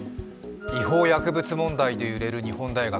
違法薬物問題で揺れる日本大学。